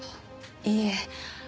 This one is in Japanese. いいえ。